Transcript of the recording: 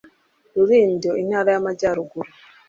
rulindo intara y amajyaruguru